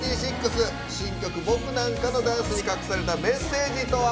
新曲「僕なんか」のダンスに隠されたメッセージとは？